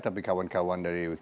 tapi juga para pemerintah